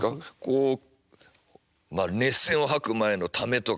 こうまあ熱線を吐く前のためとかね